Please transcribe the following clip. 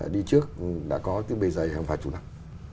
đi trước đã có cái bề dày hàng vài chục năm